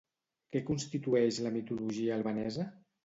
Què constitueix la mitologia albanesa?